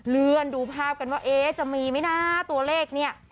เลื่อนดูภาพกันว่าเอ๊ะจะมีไหมนะตัวเลขเนี่ย